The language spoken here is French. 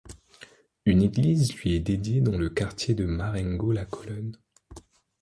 Une église lui est dédiée dans le quartier de Marengo-La Colonne.